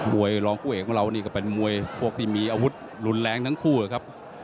วยรองคู่เอกของเรานี่ก็เป็นมวยพวกที่มีอาวุธรุนแรงทั้งคู่นะครับ